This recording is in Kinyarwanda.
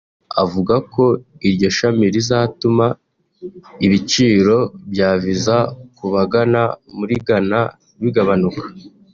avuga ko iryo shami rizatuma ibiciro bya Visa ku bagana muri Ghana bigabanuka